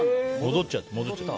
戻っちゃった。